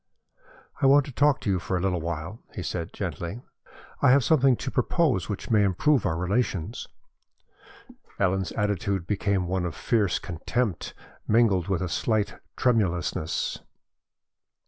"I want to talk to you for a little while," he said, gently. "I have something to propose which may improve our relations." Ellen's attitude became one of fierce contempt mingled with a slight tremulousness.